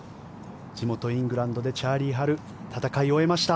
地元イングランドでチャーリー・ハル戦いを終えました。